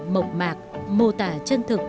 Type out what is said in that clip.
mộc mạc mô tả chân thực